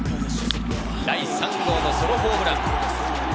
第３号ソロホームラン。